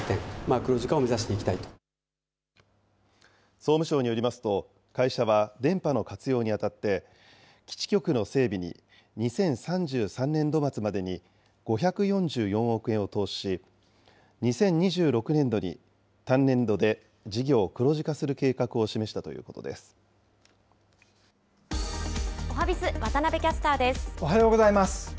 総務省によりますと、会社は電波の活用にあたって、基地局の整備に２０３３年度末までに５４４億円を投資し、２０２６年度に単年度で事業を黒字化する計画を示したということおはＢｉｚ、おはようございます。